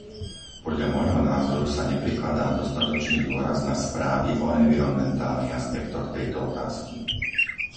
Podľa môjho názoru sa neprikladá dostatočný dôraz na správy o environmentálnych aspektoch tejto otázky.